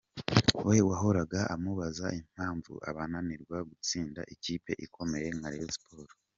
we wahoraga amubaza impamvu bananirwa gutsinda ikipe ikomeye nka Rayon Sports.